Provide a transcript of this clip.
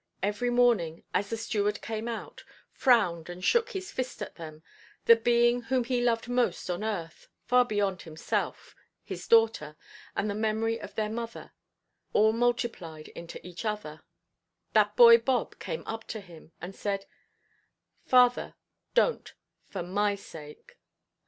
Every morning as the steward came out, frowned and shook his fist at them, the being whom he loved most on earth—far beyond himself, his daughter, and the memory of their mother, all multiplied into each other,—that boy Bob came up to him, and said, "Father, donʼt, for my sake."